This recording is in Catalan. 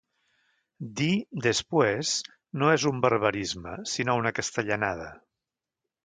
Dir 'después' no és un barbarisme, sinó una castellanada.